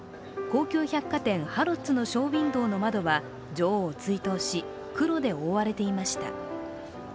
高級百貨店ハロッズのショーウインドーの窓は女王を追悼し、黒で覆われていました。